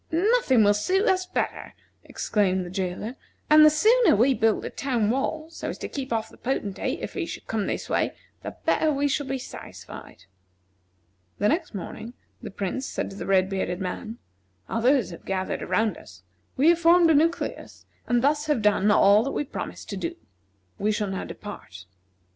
"Nothing will suit us better," exclaimed the jailer, "and the sooner we build a town wall so as to keep off the Potentate, if he should come this way, the better shall we be satisfied." The next morning, the Prince said to the red bearded man: "Others have gathered around us. We have formed a nucleus, and thus have done all that we promised to do. We shall now depart."